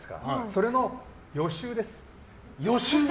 それの予習です。